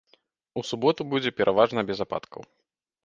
У суботу будзе пераважна без ападкаў.